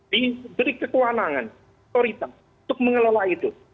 diberi kekuanangan otoritas untuk mengelola itu